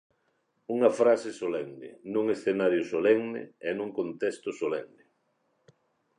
Unha frase solemne, nun escenario solemne e nun contexto solemne.